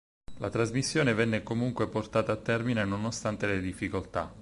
La trasmissione venne comunque portata a termine nonostante le difficoltà.